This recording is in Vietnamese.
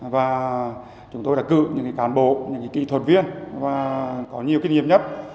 và chúng tôi đã cự những cán bộ những kỹ thuật viên và có nhiều kinh nghiệm nhấp